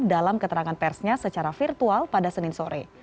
dalam keterangan persnya secara virtual pada senin sore